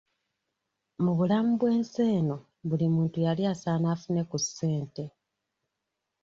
Mu bulamu bw'ensi eno buli muntu yali asaana afune ku ssente.